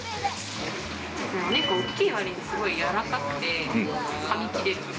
大きいわりに、すごくやわらかくて噛み切れる。